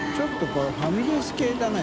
こうファミレス系だね。